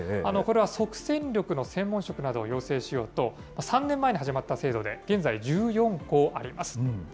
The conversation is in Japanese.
これは即戦力の専門職などを養成しようと、３年前に始まった制度で、現在１４校あります。